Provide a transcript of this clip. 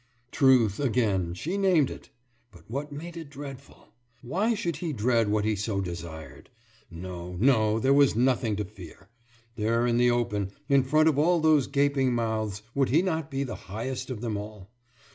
« Truth again she named it! But what made it dreadful? Why should he dread what he so desired? No no there was nothing to fear. There, in the open, in front of all those gaping mouths, would he not be the highest of them all?